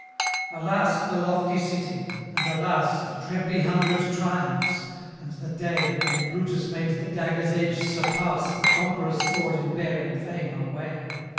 Alas, the lofty city! and alas The trebly hundred triumphs! and the day When Brutus made the dagger's edge surpass The conqueror's sword in bearing fame away!